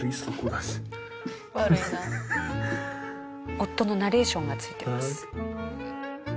夫のナレーションがついてます。